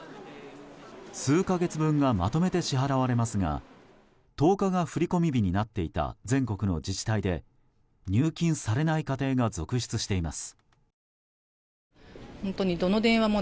数か月分がまとめて支払われますが１０日が振り込み日になっていた全国の自治体で入金されない家庭が続出しています。